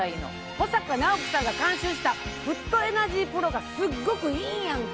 保阪尚希さんが監修したフットエナジープロがすっごくいいやんか。